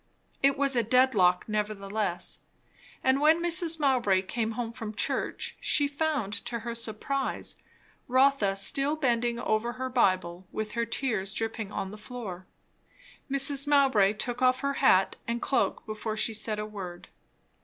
It was a dead lock, nevertheless; and when Mrs. Mowbray came home from church she found, to her surprise, Rotha still bending over her Bible with her tears dripping on the floor. Mrs. Mowbray took off her hat and cloak before she said a word.